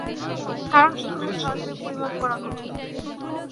কারণ এগুলি সরাসরি পরিমাপ করা কঠিন।